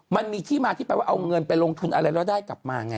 มันมีที่มาที่ไปว่าเอาเงินไปลงทุนอะไรแล้วได้กลับมาไง